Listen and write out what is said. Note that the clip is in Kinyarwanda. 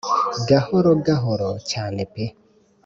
gahoro gahoro cyane pe